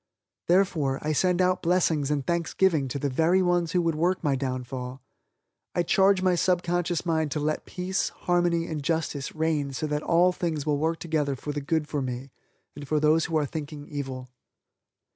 Therefore, I send out blessings and thanksgiving to the very ones who would work my downfall. I charge my subconscious mind to let peace, harmony and justice reign so that all things will work together for the good for me and for those who are thinking evil.